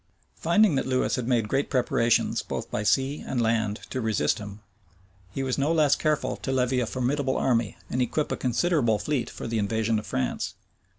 Finding that Lewis had made great preparations both by sea and land to resist him, he was no less careful to levy a formidable army and equip a considerable fleet for the invasion of France.